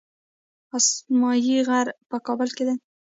اسمايي غر په کابل کې دی